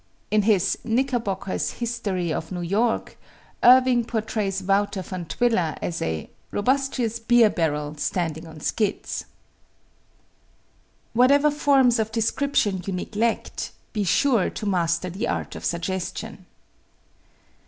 In his "Knickerbocker's" "History of New York," Irving portrays Wouter van Twiller as "a robustious beer barrel, standing on skids." Whatever forms of description you neglect, be sure to master the art of suggestion.